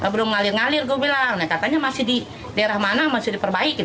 belum ngalir ngalir gue bilang katanya masih di daerah mana masih diperbaikin